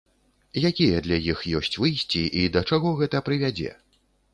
Якія для іх ёсць выйсці і да чаго гэта прывядзе?